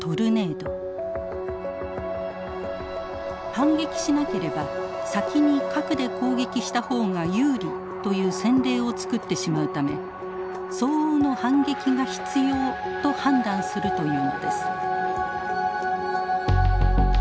反撃しなければ先に核で攻撃したほうが有利という先例を作ってしまうため相応の反撃が必要と判断するというのです。